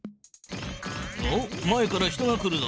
おっ前から人が来るぞ。